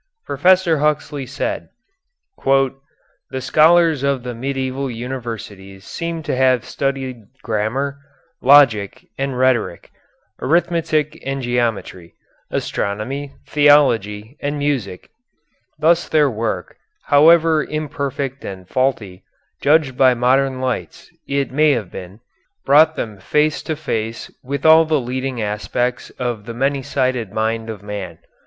Professor Huxley said: The scholars of the medieval universities seem to have studied grammar, logic, and rhetoric; arithmetic and geometry; astronomy, theology, and music. Thus their work, however imperfect and faulty, judged by modern lights, it may have been, brought them face to face with all the leading aspects of the many sided mind of man.